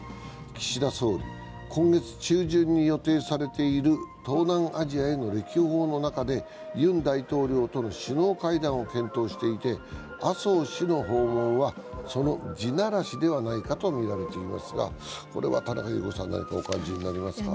岸田総理、今月中旬に予定されている東南アジアへの歴訪の中でユン大統領との首脳会談を検討していて、麻生氏の訪問は、その地ならしではないかと見られていますが、田中さん何かお感じになりますか？